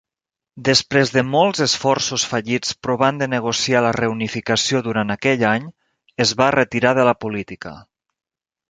Després de molts esforços fallits provant de negociar la reunificació durant aquell any, es va retirar de la política.